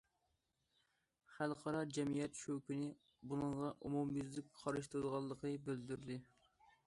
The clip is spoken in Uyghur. خەلقئارا جەمئىيەت شۇ كۈنى بۇنىڭغا ئومۇميۈزلۈك قارشى تۇرىدىغانلىقىنى بىلدۈردى.